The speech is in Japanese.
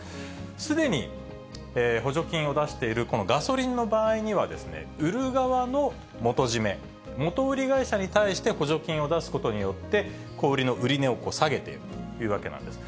すでに補助金を出しているこのガソリンの場合には、売る側の元締め、元売り会社に対して補助金を出すことによって、小売りの売値を下げているわけなんです。